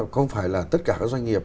không phải là tất cả các doanh nghiệp